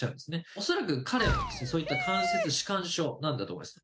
おそらく彼はそういった関節弛緩症なんだと思います